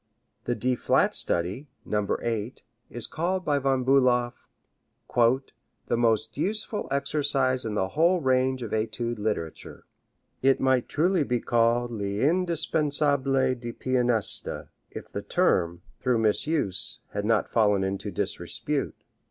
The D flat study, No. 8, is called by Von Bulow "the most useful exercise in the whole range of etude literature. It might truly be called 'l'indispensable du pianiste,' if the term, through misuse, had not fallen into disrepute.